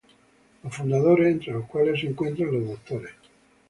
Los fundadores, entre los cuales se encontraban los Dres.